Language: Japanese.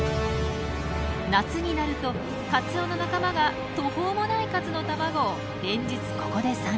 夏になるとカツオの仲間が途方もない数の卵を連日ここで産卵。